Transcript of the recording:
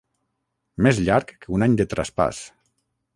Més llarg que un any de traspàs.